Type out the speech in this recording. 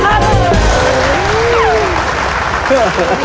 ออกแล้วค่ะ